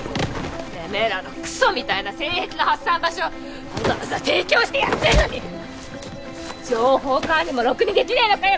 てめぇらのクソみたいな性癖の発散場所をわざわざ提供してやってんのに情報管理もロクに出来ねぇのかよ